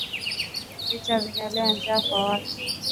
Vita inaleta njaa kwa watu